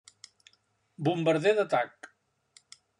Bombarder d'Atac.